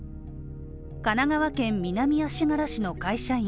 神奈川県南足柄市の会社員